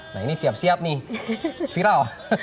nah ini siap siap nih viral